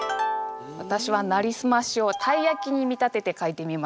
私は「なりすまし」をたいやきに見立てて書いてみました。